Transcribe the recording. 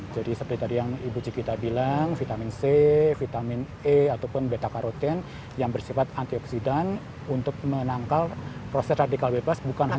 jadi seperti tadi yang ibu cikita bilang vitamin c vitamin e ataupun beta karotene yang bersifat antioksidan untuk menangkal proses radikal bebas bukan hanya